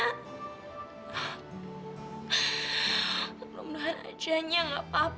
aku belum tahan aja ayah gak apa apa